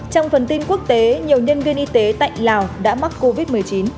trong phần tin quốc tế nhiều nhân viên y tế tại lào đã mắc covid một mươi chín